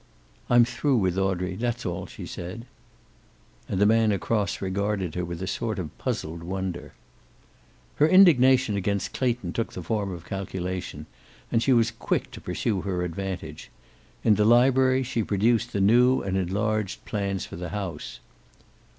"I'm through with Audrey. That's all," she said. And the man across regarded her with a sort of puzzled wonder. Her indignation against Clayton took the form of calculation; and she was quick to pursue her advantage. In the library she produced the new and enlarged plans for the house.